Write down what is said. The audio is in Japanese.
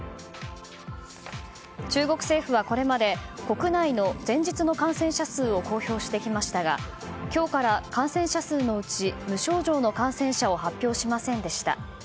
中国政府はこれまで国内の前日の感染者数を公表してきましたが今日から感染者数のうち無症状の感染者の数を発表しませんでした。